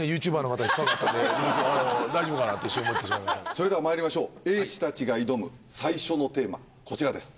それではまいりましょう叡智たちが挑む最初のテーマこちらです。